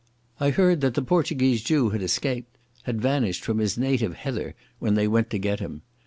I heard that the Portuguese Jew had escaped—had vanished from his native heather when they went to get him.